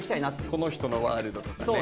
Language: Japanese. この人のワールドとかね。